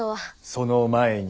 その前に。